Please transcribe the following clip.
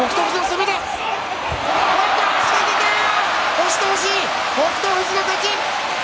押し倒し、北勝富士の勝ち。